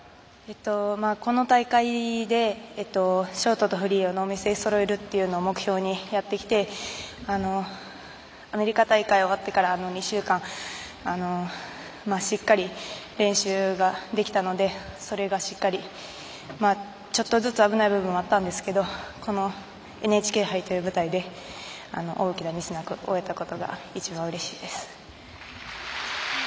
この大会でショートとフリーをノーミスでそろえるのを目標にやってきてアメリカ大会終わってからの２週間しっかり練習ができたのでそれがしっかりちょっとずつ、危ない部分はあったんですけどこのＮＨＫ杯という舞台で大きなミスなく終えたことが一番、うれしいです。